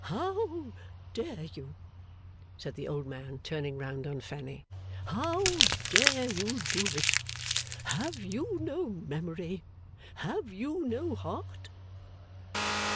'How dare you,' said the old man, turning round on Fanny, 'how dare you do it? Have you no memory? Have you no heart?